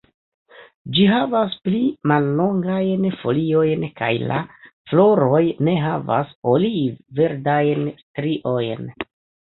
Ĝi havas pli mallongajn foliojn kaj la floroj ne havas oliv-verdajn striojn.